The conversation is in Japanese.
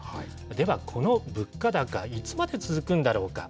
では、この物価高、いつまで続くんだろうか。